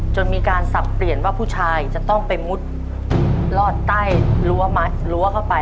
จนมีการสับเปลี่ยนว่าผู้ชายจะต้องไปมุดรอดใต้รั้วเข้าไป